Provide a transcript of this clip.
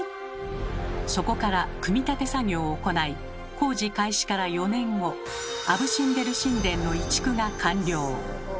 そこから組み立て作業を行い工事開始から４年後アブ・シンベル神殿の移築が完了。